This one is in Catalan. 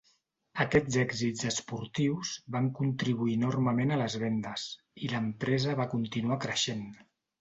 Aquests èxits esportius van contribuir enormement a les vendes, i l'empresa va continuar creixent.